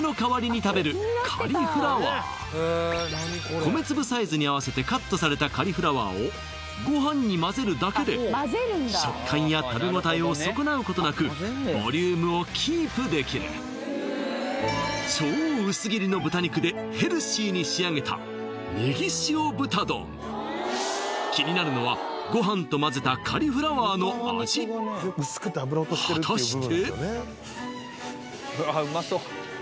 米粒サイズに合わせてカットされたカリフラワーをご飯にまぜるだけで食感や食べ応えを損なうことなくボリュームをキープできる超うす切りの豚肉でヘルシーに仕上げた気になるのはご飯とまぜたカリフラワーの味果たして？